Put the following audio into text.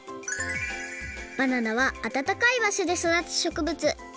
バナナはあたたかいばしょでそだつしょくぶつ。